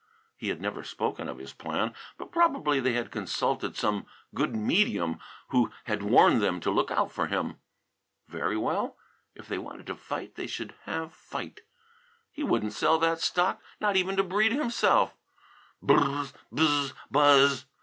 He had never spoken of this plan, but probably they had consulted some good medium who had warned them to look out for him. Very well, if they wanted fight they should have fight. He wouldn't sell that stock, not even to Breede himself "Buzz! Buzz! Buzz!"